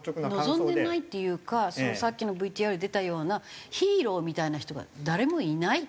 望んでないっていうかさっきのＶＴＲ出たようなヒーローみたいな人が誰もいないっていう事ですよね。